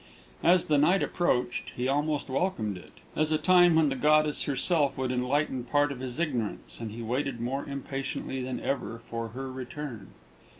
As the night approached, he almost welcomed it, as a time when the goddess herself would enlighten part of his ignorance; and he waited more impatiently than ever for her return.